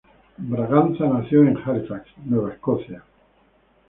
Braganza nació en Halifax, Nova Scotia.